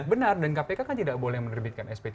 benar dan kpk kan tidak boleh menerbitkan sp tiga